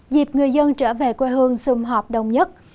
dịp người dân trở về quê hương xung họp đồng nhất